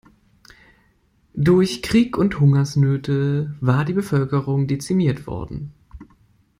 Durch Krieg und Hungersnöte war die Bevölkerung dezimiert worden.